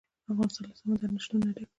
افغانستان له سمندر نه شتون ډک دی.